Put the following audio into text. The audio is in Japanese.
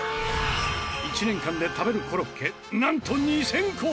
１年間で食べるコロッケなんと２０００個！